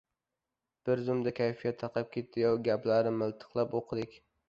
Bir zumda kayfiyam tarqab ketdi-yov! Gaplari miltiqning o‘qidek.